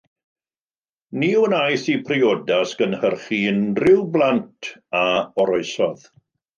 Ni wnaeth eu priodas gynhyrchu unrhyw plant a oroesodd.